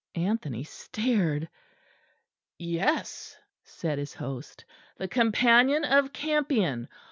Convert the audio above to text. Anthony stared. "Yes," said his host, "the companion of Campion.